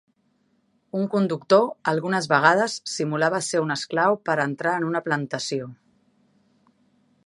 Un conductor algunes vegades simulava ser un esclau per entrar en una plantació.